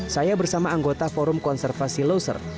saya bersama anggota forum konservasi loser